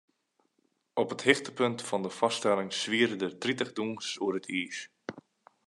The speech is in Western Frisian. Op it hichtepunt fan de foarstelling swiere der tritich dûnsers oer it iis.